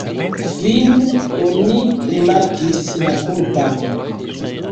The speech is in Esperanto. Fine oni rimarkis la kulpan.